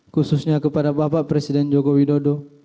khususnya kepada bapak presiden joko widodo